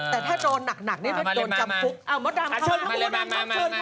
แต่ถ้าโดนนักนี่ก็โดนจับคุกมาเลยมา